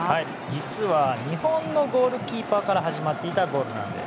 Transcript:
実は日本のゴールキーパーから始まっていたゴールなんです。